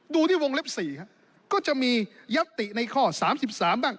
ดูที่วงเล็บสี่ครับก็จะมียัตติในข้อสามสิบสามบ้าง